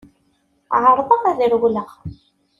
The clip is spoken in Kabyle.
Ԑerḍeɣ ad rewleɣ.